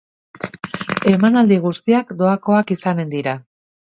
Emanaldi guztiak doakoak izanen dira.